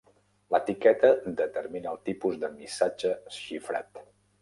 L'etiqueta determina el tipus de missatge xifrat.